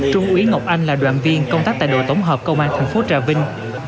trung úy ngọc anh là đoàn viên công tác tại đội tổng hợp công an thành phố trà vinh